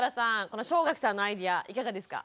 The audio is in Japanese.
この正垣さんのアイデアいかがですか？